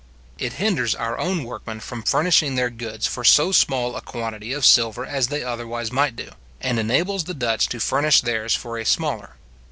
It hinders our own workmen from furnishing their goods for so small a quantity of silver as they otherwise might do, and enables the Dutch to furnish theirs for a smaller.